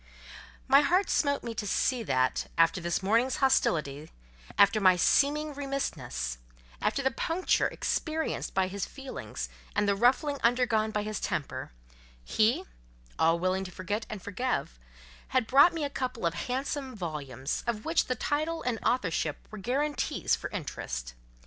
My heart smote me to see that—after this morning's hostility, after my seeming remissness, after the puncture experienced by his feelings, and the ruffling undergone by his temper—he, all willing to forget and forgive, had brought me a couple of handsome volumes, of which the title and authorship were guarantees for interest.